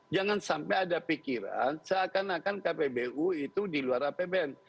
jangan sampai ada pikiran seakan akan kpbu itu di luar apbn